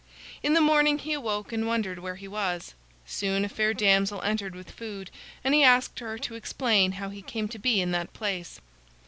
In the morning he awoke and wondered where he was. Soon a fair damsel entered with food, and he asked her to explain how he came to be in that place.